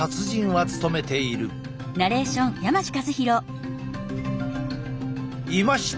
いました！